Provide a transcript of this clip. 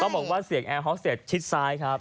ต้องบอกว่าเสียงแอร์ฮอล์เซ็ตชิดซ้ายครับ